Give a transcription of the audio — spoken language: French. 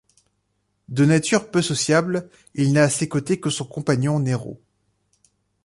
De nature peu sociable, il n’a à ses côtés que son compagnon Nero.